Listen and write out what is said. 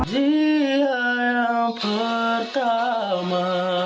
dia yang pertama